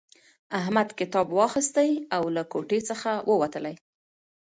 احمد کتاب واخیستی او له کوټې څخه ووتلی.